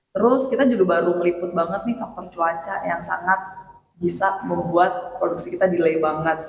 terus kita juga baru meliput banget nih faktor cuaca yang sangat bisa membuat produksi kita delay banget